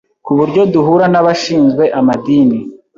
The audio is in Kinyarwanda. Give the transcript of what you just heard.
ku buryo duhura n’abashinzwe amadini